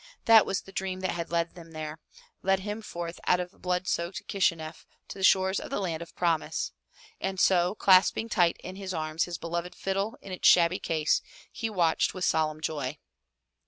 That was the dream that had led him there, led him forth out of blood soaked Kishi neff to the shores of the Land of Promise. And so, clasping tight in his arms his beloved fiddle in its shabby case, he watched with solemn joy.